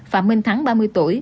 phạm minh thắng ba mươi tuổi